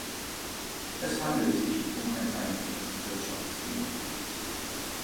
Es handelt sich um ein einfaches Wirtschaftsthema.